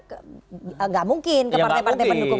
tidak mungkin ke partai partai pendukung